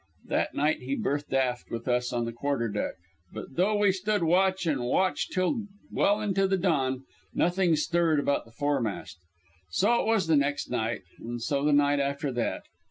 That night he berthed aft with us on the quarterdeck, but though we stood watch and watch till well into the dawn, nothing stirred about the foremast. So it was the next night, and so the night after that.